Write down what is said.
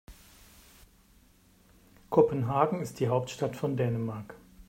Kopenhagen ist die Hauptstadt von Dänemark.